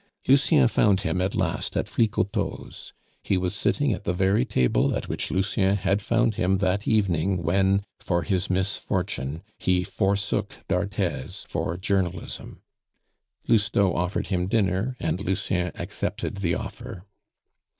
Lucien found him at last at Flicoteaux's; he was sitting at the very table at which Lucien had found him that evening when, for his misfortune, he forsook d'Arthez for journalism. Lousteau offered him dinner, and Lucien accepted the offer.